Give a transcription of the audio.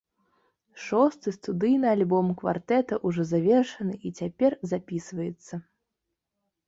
Шосты студыйны альбом квартэта ўжо завершаны і цяпер запісваецца.